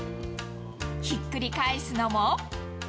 ひっくり返すのも。